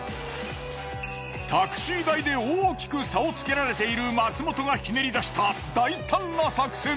タクシー代で大きく差をつけられている松本がひねり出した大胆な作戦。